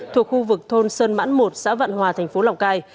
thuộc khu vực thôn sơn mãn một xã vạn hòa thành phố lào cai